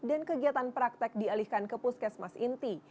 dan kegiatan praktek dialihkan ke puskesmas inti